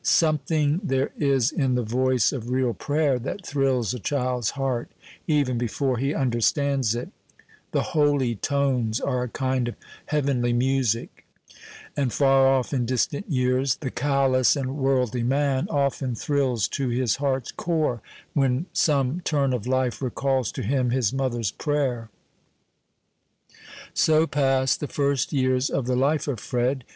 Something there is in the voice of real prayer that thrills a child's heart, even before he understands it; the holy tones are a kind of heavenly music, and far off in distant years, the callous and worldly man, often thrills to his heart's core, when some turn of life recalls to him his mother's prayer. So passed the first years of the life of Fred.